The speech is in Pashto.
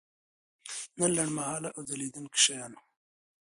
نه د لنډمهاله او ځلیدونکي شیانو.